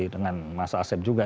dengan mas asyid juga